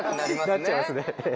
なっちゃいますね。